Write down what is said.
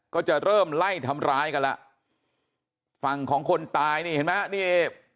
ก็จะเริ่มไล่ทำร้ายกันแล้วฝั่งของคนตายนี่เห็นไหมนี่